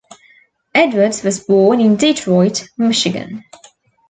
Edwards was born in Detroit, Michigan.